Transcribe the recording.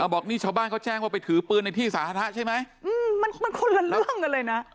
บอกนี่ชาวบ้านเขาแจ้งว่าไปถือปืนในที่สาธารณะใช่ไหมมันคนละเรื่องกันเลยนะ